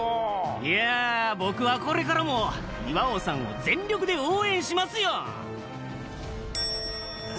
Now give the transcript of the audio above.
いや僕はこれからも岩尾さんを全力で応援しますよ！